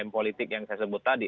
politik yang saya sebut tadi